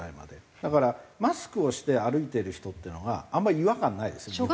だからマスクをして歩いてる人っていうのがあんまり違和感ないですよね。